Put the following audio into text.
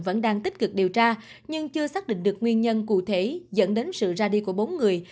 vẫn đang tích cực điều tra nhưng chưa xác định được nguyên nhân cụ thể dẫn đến sự ra đi của bốn người